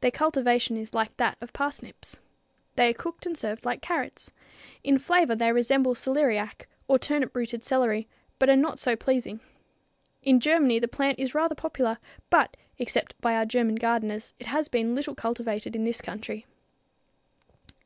Their cultivation is like that of parsnips. They are cooked and served like carrots. In flavor, they resemble celeriac or turnip rooted celery, but are not so pleasing. In Germany the plant is rather popular, but, except by our German gardeners, it has been little cultivated in this country.